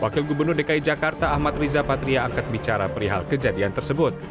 wakil gubernur dki jakarta ahmad riza patria angkat bicara perihal kejadian tersebut